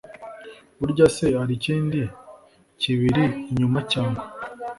buryase hari ikindi kibiri inyuma cyangwa